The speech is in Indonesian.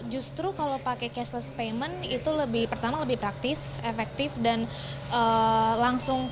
justru kalau pakai cashless payment itu lebih pertama lebih praktis efektif dan langsung